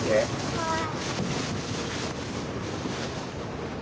はい。